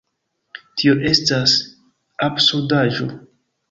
Tio estas absurdaĵo!